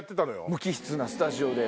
無機質なスタジオで。